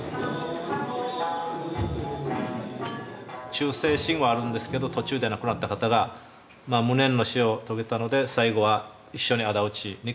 忠誠心はあるんですけど途中で亡くなった方が無念の死を遂げたので最後は一緒に仇討ちに加わってたと。